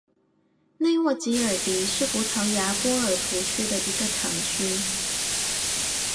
内沃吉尔迪是葡萄牙波尔图区的一个堂区。